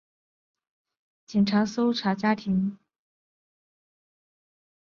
警察搜查家庭和冲刷对周围地区的距离。